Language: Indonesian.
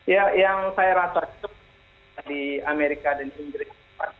ya yang saya rasa itu di amerika dan inggris